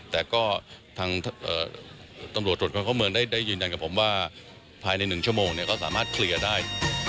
แต่ก็ทางตำรวจตรวจคนเข้าเมืองได้ยืนยันกับผมว่าภายใน๑ชั่วโมงก็สามารถเคลียร์ได้